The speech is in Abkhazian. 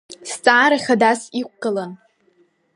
Зҵаара хадас иқәгылан…